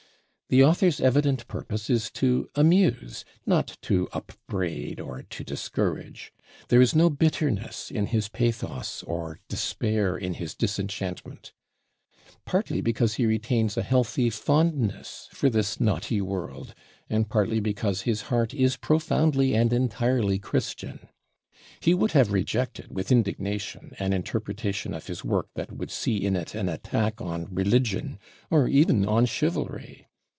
The author's evident purpose is to amuse, not to upbraid or to discourage. There is no bitterness in his pathos or despair in his disenchantment; partly because he retains a healthy fondness for this naughty world, and partly because his heart is profoundly and entirely Christian. He would have rejected with indignation an interpretation of his work that would see in it an attack on religion or even on chivalry.